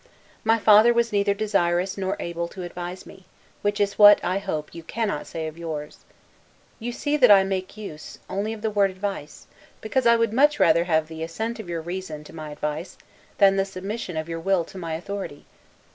My father was neither desirous nor able to advise me; which is what, I hope, you cannot say of yours. You see that I make use, only of the word advice; because I would much rather have the assent of your reason to my advice, than the submission of your will to my authority.